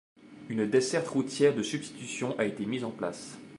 Une desserte routière de substitution a été mise en place.